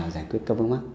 giải quyết các vấn mắc